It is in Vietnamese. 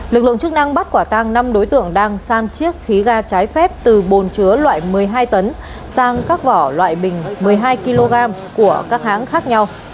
lực lượng chức năng bắt quả tăng năm đối tượng đang san chiết khí ga trái phép từ bồn chứa loại một mươi hai tấn sang các vỏ loại bình một mươi hai kg của các hãng khác nhau